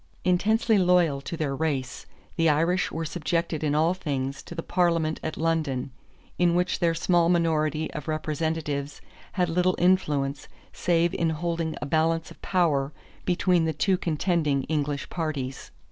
Intensely loyal to their race, the Irish were subjected in all things to the Parliament at London, in which their small minority of representatives had little influence save in holding a balance of power between the two contending English parties.